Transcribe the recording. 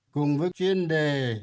cùng với chuyên đề